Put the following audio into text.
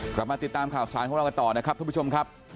กลับมาติดตามข่าวสารของเรากันต่อนะครับทุกผู้ชมครับ